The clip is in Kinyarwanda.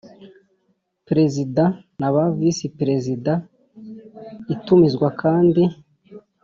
Perezida na ba Visi Perezida Itumizwa kandi